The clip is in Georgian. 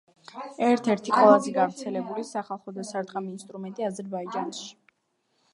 ერთ-ერთი ყველაზე გავრცელებული სახალხო დასარტყამი ინსტრუმენტი აზერბაიჯანში.